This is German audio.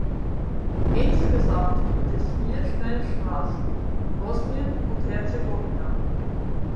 Insgesamt gibt es vier Schnellstraßen in Bosnien und Herzegowina.